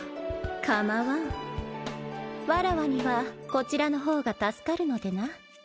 かまわんわらわにはこちらの方が助かるのでな